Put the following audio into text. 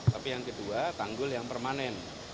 tapi yang kedua tanggul yang permanen